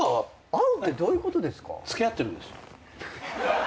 会うってどういうことですか？